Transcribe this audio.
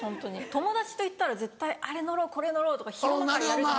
友達と行ったら絶対あれ乗ろうこれ乗ろうとか昼間からやるじゃないですか。